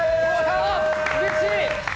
うれしい。